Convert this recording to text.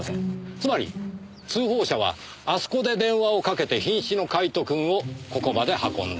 つまり通報者はあそこで電話をかけて瀕死のカイトくんをここまで運んだ。